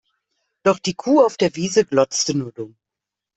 Doch die Kuh auf der Wiese glotzte nur dumm.